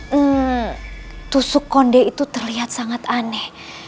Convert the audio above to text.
hmm tusuk konde itu terlihat sangat aneh